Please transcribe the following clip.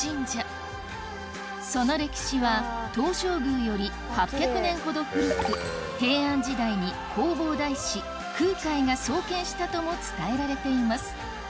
その歴史は東照宮より８００年ほど古く平安時代に弘法大師空海が創建したとも伝えられています